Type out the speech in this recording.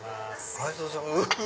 ありがとうございます。